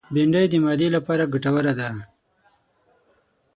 بېنډۍ د معدې لپاره ګټوره ده